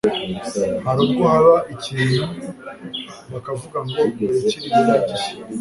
hari ubwo haba ikintu bakavuga ngo dore kiriya ni gishya